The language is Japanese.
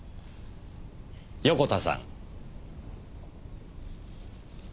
横田さん。